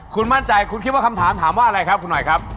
คุณมั่นใจคุณคิดว่าคำถามถามว่าอะไรครับคุณหน่อยครับ